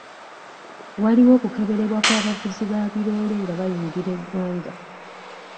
Waliwo okukeberebwa kw'abavuzi ba biroole nga bayingira eggwanga.